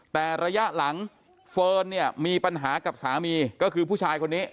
แต่ระยะหลังเฟิร์นเนี่ยมีปัญหากับสามีก็คือผู้ชายคนนี้